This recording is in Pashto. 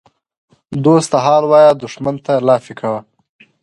ـ دوست ته حال وایه دښمن ته لافي کوه.